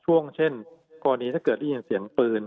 ช่วงเช่นกรณีถ้าเกิดได้ยินเสียงปืน